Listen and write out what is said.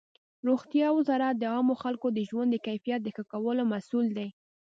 روغتیا وزارت د عامو خلکو د ژوند د کیفیت د ښه کولو مسؤل دی.